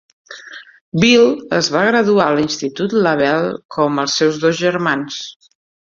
Bill es va graduar a l'institut LaBelle, com els seus dos germans.